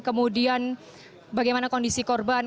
kemudian bagaimana kondisi korban